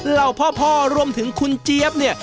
เหล่าพ่อรวมถึงคุณเจี๊ยบเนี่ย